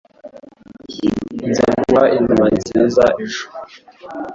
Nzaguha inama nziza ejo